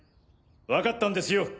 解ったんですよ！